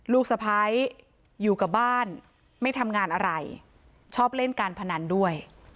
ลูกสะพ้ายอยู่กับบ้านไม่ทำงานอะไรชอบเล่นการพนันด้วย